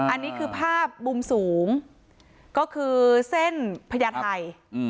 อันนี้คือภาพมุมสูงก็คือเส้นพญาไทย